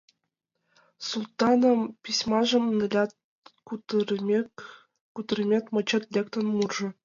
Султанын письмажым налят, кутырымет-мочет — лектын куржо.